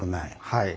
はい。